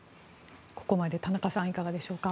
ここまで田中さんいかがでしょうか？